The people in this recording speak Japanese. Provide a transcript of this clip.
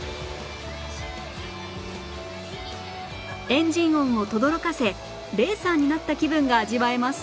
エンジン音を轟かせレーサーになった気分が味わえます